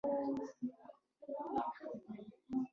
په اسټرالیا کې د لاتینې امریکا انتخاب موجود نه و.